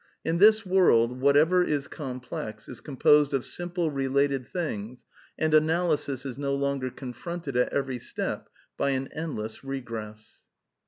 In this world, whatever is complex is composed of simple related things, and analysis is no longer confronted at erery step hy an endless regress.''